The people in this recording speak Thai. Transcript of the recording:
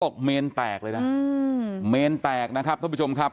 เมนแตกเลยนะเมนแตกนะครับท่านผู้ชมครับ